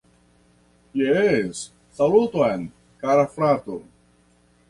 Jes, saluton kara frato